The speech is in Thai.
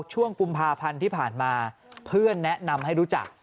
ช่วงกุมภาพันธ์ที่ผ่านมาเพื่อนแนะนำให้รู้จัก